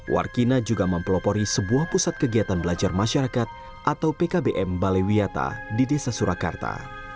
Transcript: warkina juga mempelopori sebuah pusat kegiatan belajar masyarakat atau pkbm balaiwiata di desa surakarta